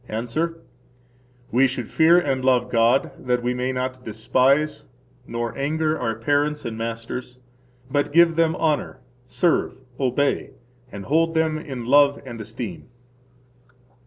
–Answer: We should fear and love God that we may not despise nor anger our parents and masters, but give them honor, serve, obey, and hold them in love and esteem.